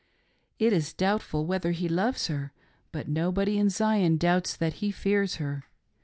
It is doubtful whether he loves her, but nobody in Zion doubts that he fears her.